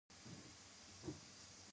طلا د افغانستان د طبیعي زیرمو برخه ده.